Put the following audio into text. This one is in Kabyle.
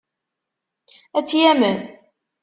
Ad tt-yamen?